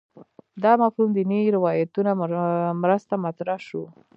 دا مفهوم دیني روایتونو مرسته مطرح شو